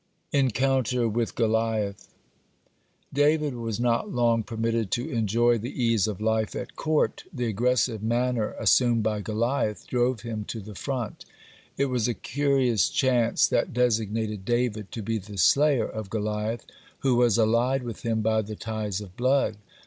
(26) ENCOUNTER WITH GOLIATH David was not long permitted to enjoy the ease of life at court. The aggressive manner assumed by Goliath drove him to the front. It was a curious chance that designated David to be the slayer of Goliath, who was allied with him by the ties of blood.